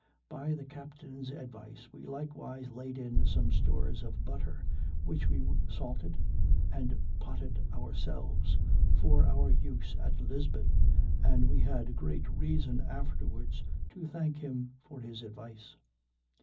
By the captain's advice we likewise laid in some stores of butter, which we salted and potted ourselves, for our use at Lisbon, and we had great reason afterwards to thank him for his advice.